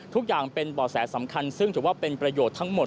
ทุกอย่างเป็นบ่อแสสำคัญซึ่งถือว่าเป็นประโยชน์ทั้งหมด